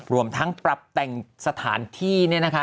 รวมทั้งปรับแต่งสถานที่